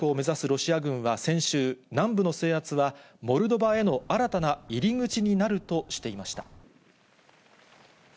ロシア軍は先週、南部の制圧は、モルドバへの新たな入り口になるとしていました。